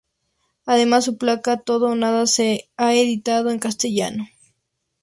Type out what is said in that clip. Además su placa "Todo o nada" se ha editado en castellano.